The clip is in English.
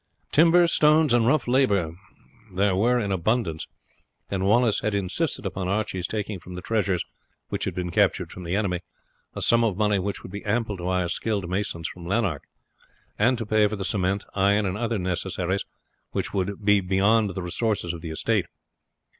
Timber, stones, and rough labour there were in abundance, and Wallace had insisted upon Archie's taking from the treasures which had been captured from the enemy, a sum of money which would be ample to hire skilled masons from Lanark, and to pay for the cement, iron, and other necessaries which would be beyond the resources of the estate.